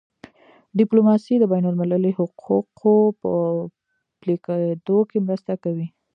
ډیپلوماسي د بینالمللي حقوقو په پلي کېدو کي مرسته کوي.